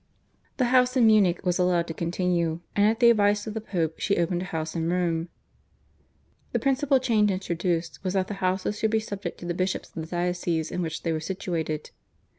The house in Munich was allowed to continue, and at the advice of the Pope she opened a house in Rome. The principal change introduced was that the houses should be subject to the bishops of the dioceses in which they were situated.